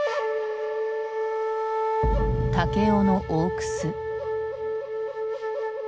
武雄の大楠。